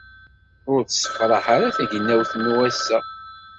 Ur tessefṛaḥ ara tegnawt n wass-a